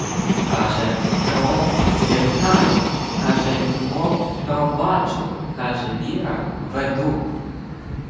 Каже кров: з'єднаю! Каже любов: пробачу! Каже віра: веду!